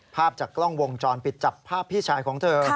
ภาพจากกล้องวงจรปิดจับภาพพี่ชายของเธอ